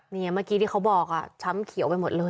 เมื่อกี้ที่เขาบอกช้ำเขียวไปหมดเลย